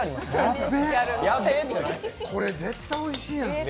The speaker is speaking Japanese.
これ絶対おいしいやん！